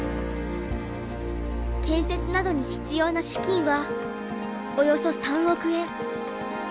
建設などに必要な資金はおよそ３億円。